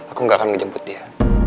aku gak akan menjemput dia